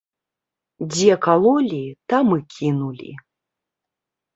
Дзе калолі, там і кінулі.